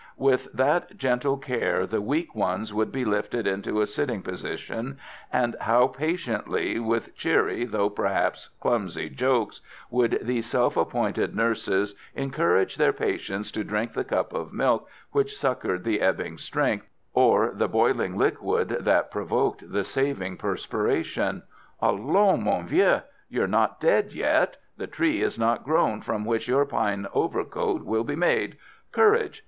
With what gentle care the weak ones would be lifted into a sitting position, and how patiently, with cheery, though perhaps clumsy jokes, would these self appointed nurses encourage their patients to drink the cup of milk which succoured the ebbing strength, or the boiling liquid that provoked the saving perspiration. "Allons! mon vieux. You're not dead yet! The tree is not grown from which your pine overcoat will be made. Courage!